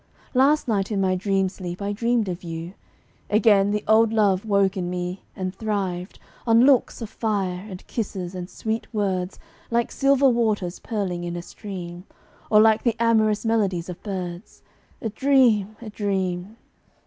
Last night in my deep sleep I dreamed of you; Again the old love woke in me, and thrived On looks of fire, and kisses, and sweet words Like silver waters purling in a stream, Or like the amorous melodies of birds: A dream a dream!